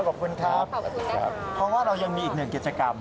ขอบคุณครับเพราะว่าเรายังมีอีกหนึ่งกิจกรรม